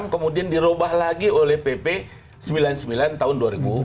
kemudian di robah lagi oleh pp sembilan puluh sembilan tahun dua ribu dua belas